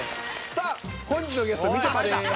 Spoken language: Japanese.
さあ本日のゲストみちょぱです。